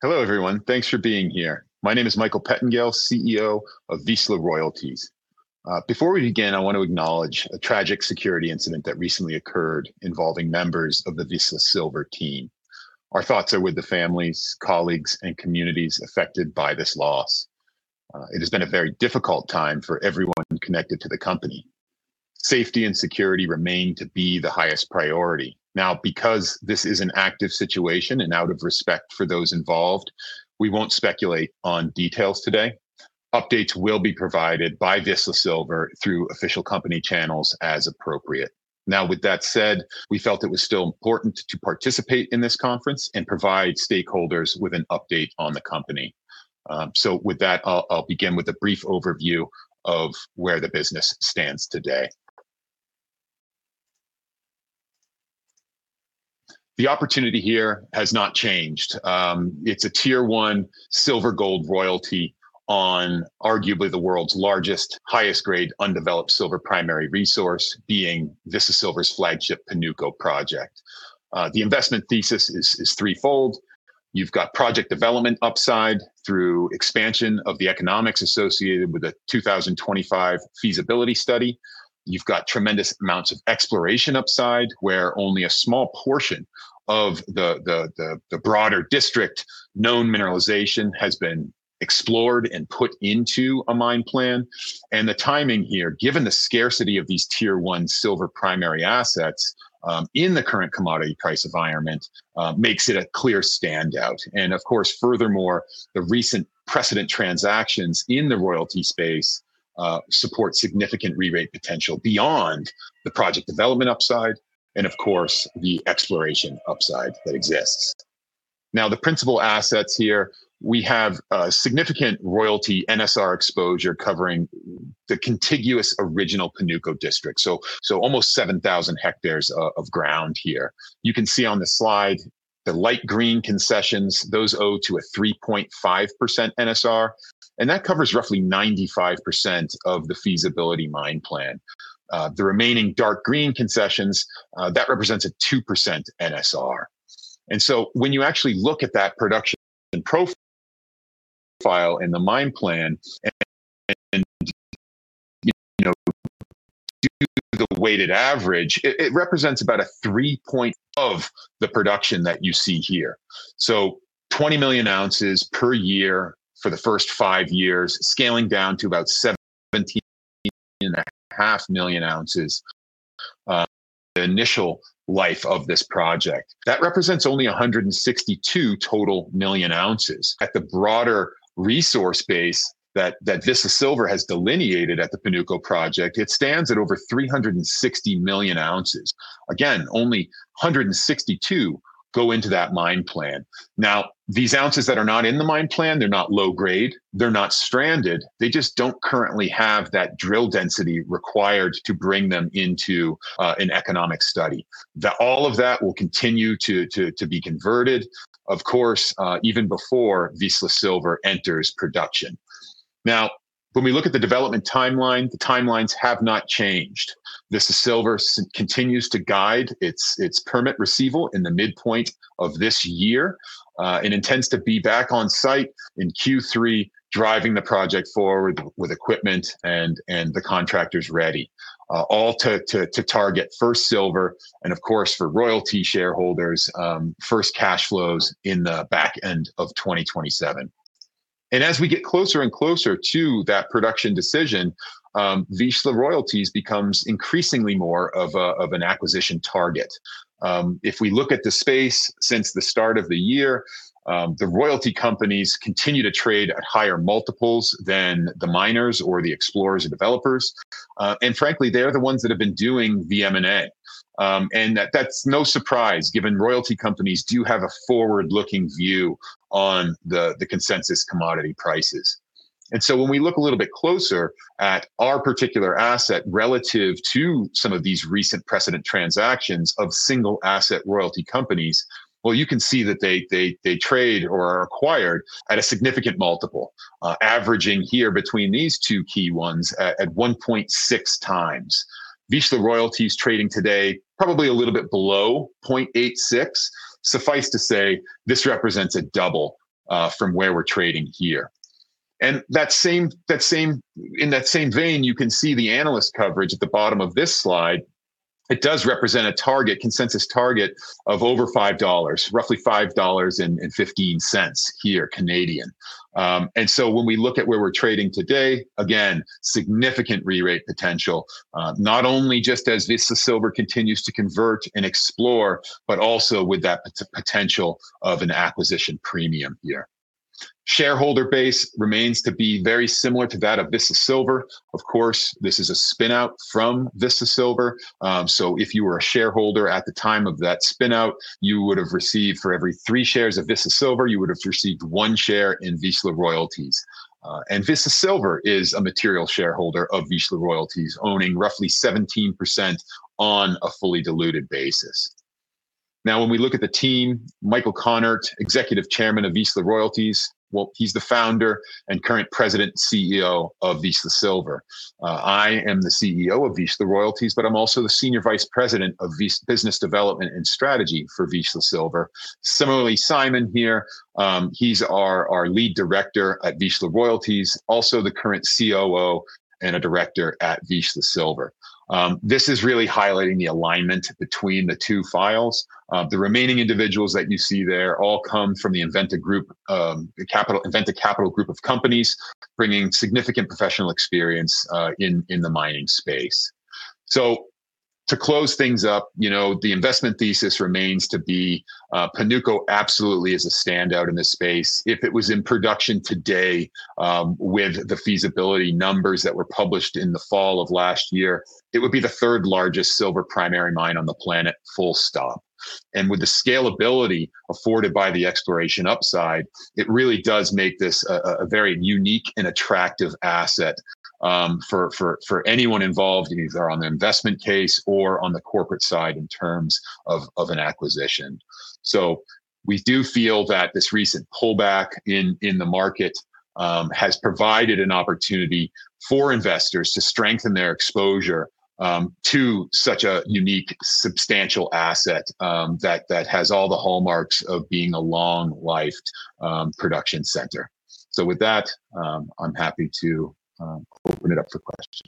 Hello, everyone. Thanks for being here. My name is Michael Pettingell, CEO of Vizsla Royalties. Before we begin, I want to acknowledge a tragic security incident that recently occurred involving members of the Vizsla Silver team. Our thoughts are with the families, colleagues, and communities affected by this loss. It has been a very difficult time for everyone connected to the company. Safety and security remain to be the highest priority. Now, because this is an active situation and out of respect for those involved, we won't speculate on details today. Updates will be provided by Vizsla Silver through official company channels as appropriate. Now, with that said, we felt it was still important to participate in this conference and provide stakeholders with an update on the company. With that, I'll begin with a brief overview of where the business stands today. The opportunity here has not changed. It's a tier one silver/gold royalty on arguably the world's largest, highest grade undeveloped silver primary resource being Vizsla Silver's flagship Panuco project. The investment thesis is threefold. You've got project development upside through expansion of the economics associated with the 2025 feasibility study. You've got tremendous amounts of exploration upside, where only a small portion of the broader district known mineralization has been explored and put into a mine plan. The timing here, given the scarcity of these tier one silver primary assets, in the current commodity price environment, makes it a clear standout. Of course, furthermore, the recent precedent transactions in the royalty space support significant re-rate potential beyond the project development upside and of course, the exploration upside that exists. Now, the principal assets here, we have a significant royalty NSR exposure covering the contiguous original Panuco district, so almost 7,000 ha of ground here. You can see on the slide the light green concessions, those are a 3.5% NSR, and that covers roughly 95% of the feasibility mine plan. The remaining dark green concessions, that represents a 2% NSR. When you actually look at that production profile and the mine plan and you know do the weighted average, it represents about a 3% of the production that you see here. 20 million ounces per year for the first five years, scaling down to about 17.5 million ounces the initial life of this project. That represents only 162 million ounces total. At the broader resource base that Vizsla Silver has delineated at the Panuco project, it stands at over 360 million ounces. Again, only 162 go into that mine plan. Now, these ounces that are not in the mine plan, they're not low grade, they're not stranded, they just don't currently have that drill density required to bring them into an economic study. All of that will continue to be converted, of course, even before Vizsla Silver enters production. Now, when we look at the development timeline, the timelines have not changed. Vizsla Silver continues to guide its permit receipt in the midpoint of this year, and intends to be back on site in Q3, driving the project forward with equipment and the contractors ready, all to target first silver and of course, for royalty shareholders, first cash flows in the back end of 2027. As we get closer and closer to that production decision, Vizsla Royalties becomes increasingly more of an acquisition target. If we look at the space since the start of the year, the royalty companies continue to trade at higher multiples than the miners or the explorers or developers. Frankly, they're the ones that have been doing the M&A, and that's no surprise given royalty companies do have a forward-looking view on the consensus commodity prices. When we look a little bit closer at our particular asset relative to some of these recent precedent transactions of single asset royalty companies, well, you can see that they trade or are acquired at a significant multiple, averaging here between these two key ones at 1.6x. Vizsla Royalties is trading today probably a little bit below 0.86. Suffice to say this represents a double from where we're trading here. In that same vein, you can see the analyst coverage at the bottom of this slide. It does represent a target, consensus target of over 5 dollars, roughly 5.15 dollars here, Canadian. When we look at where we're trading today, again, significant re-rate potential, not only just as Vizsla Silver continues to convert and explore, but also with that potential of an acquisition premium here. Shareholder base remains to be very similar to that of Vizsla Silver. Of course, this is a spin-out from Vizsla Silver. If you were a shareholder at the time of that spin-out, you would have received for every three shares of Vizsla Silver, one share in Vizsla Royalties. Vizsla Silver is a material shareholder of Vizsla Royalties, owning roughly 17% on a fully diluted basis. Now, when we look at the team, Michael Konnert, Executive Chairman of Vizsla Royalties, well, he's the founder and current President and CEO of Vizsla Silver. I am the CEO of Vizsla Royalties, but I'm also the Senior Vice President of Vizsla Business Development and Strategy for Vizsla Silver. Similarly, Simon here, he's our Lead Director at Vizsla Royalties, also the current COO and a Director at Vizsla Silver. This is really highlighting the alignment between the two firms. The remaining individuals that you see there all come from the Inventa Group, the Inventa Capital Group of companies, bringing significant professional experience, in the mining space. To close things up, you know, the investment thesis remains to be, Panuco absolutely is a standout in this space. If it was in production today, with the feasibility numbers that were published in the fall of last year, it would be the third largest silver primary mine on the planet, full stop. With the scalability afforded by the exploration upside, it really does make this a very unique and attractive asset for anyone involved, either on the investment case or on the corporate side in terms of an acquisition. We do feel that this recent pullback in the market has provided an opportunity for investors to strengthen their exposure to such a unique, substantial asset that has all the hallmarks of being a long-lived production center. With that, I'm happy to open it up for questions.